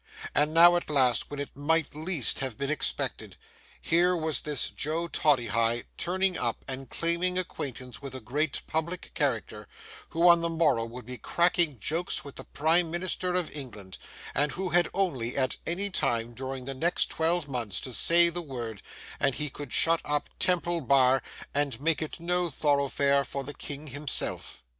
And now at last, and when it might least have been expected, here was this Joe Toddyhigh turning up and claiming acquaintance with a great public character, who on the morrow would be cracking jokes with the Prime Minister of England, and who had only, at any time during the next twelve months, to say the word, and he could shut up Temple Bar, and make it no thoroughfare for the king himself!